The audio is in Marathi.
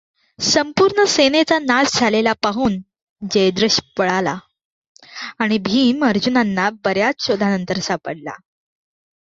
संपूर्ण सेनेचा नाश झालेला पाहून जयद्रथ पळाला, आणि भीम अर्जुनांना बऱ्याच शोधानंतर सापडला.